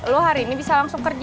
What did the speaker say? lu hari ini bisa langsung ke toko